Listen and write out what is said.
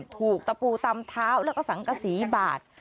ตะปูตำเท้าแล้วก็สังกษีบาด